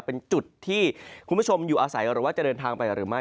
เป็นจุดที่คุณผู้ชมอยู่อาศัยหรือว่าจะเดินทางไปหรือไม่